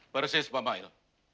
persis pak mail